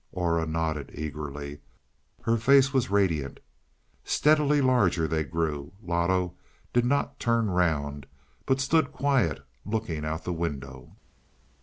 Aura nodded eagerly; her face was radiant. Steadily larger they grew. Loto did not turn round, but stood quiet, looking out of the window.